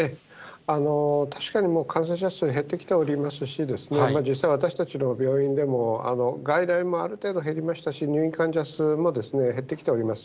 確かにもう感染者数、減ってきておりますし、実際、私たちの病院でも、外来もある程度減りましたし、入院患者数も減ってきてはいます。